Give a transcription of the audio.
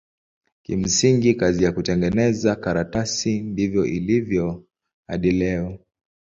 Kimsingi kazi ya kutengeneza karatasi ndivyo ilivyo hadi leo.